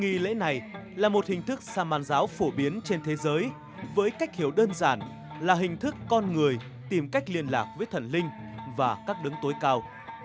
nghi lễ này là một hình thức saman giáo phổ biến trên thế giới với cách hiểu đơn giản là hình thức con người tìm cách liên lạc với thần linh và các đứng tối cao